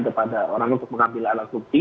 kepada orang untuk mengambil alat bukti